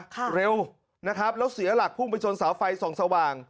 เร็วนะครับแล้วเสียหลักพุ่งไปชนเสาไฟส่องสว่าง